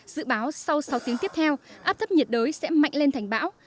dự báo sau sáu tiếng tiếp theo áp thấp nhiệt đới sẽ mạnh lên thành bão